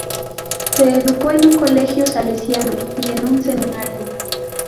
Se educó en un colegio salesiano y en un seminario.